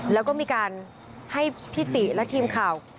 แล้วก็มีการให้พี่ติและทีมข่าว